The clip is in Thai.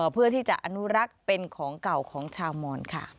เพื่อที่จะอนุรักษ์เป็นของเก่าของชาวมอนค่ะ